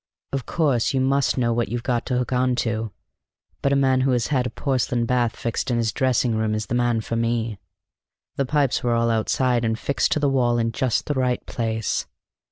Of course, you must know what you've got to hook on to; but a man who has had a porcelain bath fixed in his dressing room is the man for me. The pipes were all outside, and fixed to the wall in just the right place.